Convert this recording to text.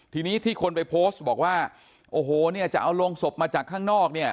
ทีนี้ที่คนไปโพสต์บอกว่าโอ้โหเนี่ยจะเอาโรงศพมาจากข้างนอกเนี่ย